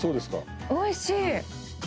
おいしい！